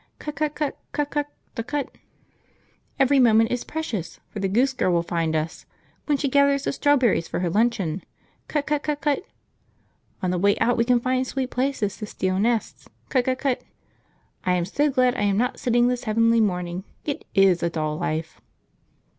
... Cut cut cut cut cut DAH_cut_ ... Every moment is precious, for the Goose Girl will find us, when she gathers the strawberries for her luncheon ... Cut cut cut cut! On the way out we can find sweet places to steal nests ... Cut cut cut! ... I am so glad I am not sitting this heavenly morning; it is a dull life."